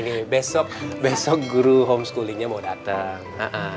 nggak ini besok guru homeschoolingnya mau dateng